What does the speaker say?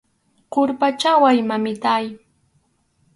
Qurpachaway, mamitáy.